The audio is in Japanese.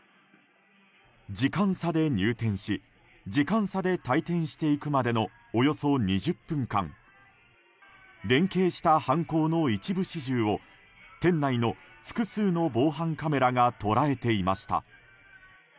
時間差で入店し時間差で退店していくまでのおよそ２０分間連係した犯行の一部始終を店内の複数の防犯カメラが捉えていました。